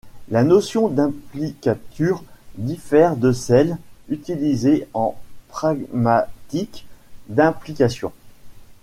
La notion d'implicature diffère de celle, utilisée en pragmatique, d'implication.